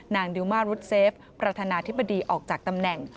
ดิวมารุดเซฟประธานาธิบดีออกจากตำแหน่ง